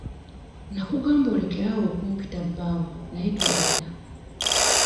Nnakugamba olekere awo okumpita bbaawo naye towulira.